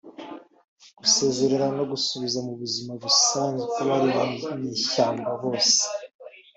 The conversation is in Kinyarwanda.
gusezerera no gusubiza mu buzima busanzwe abari mu nyeshyamba bose